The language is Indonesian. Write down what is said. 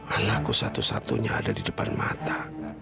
anakku satu satunya ada di depan mata